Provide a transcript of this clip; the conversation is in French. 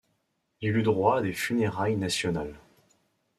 Il eut droit à des funérailles nationales.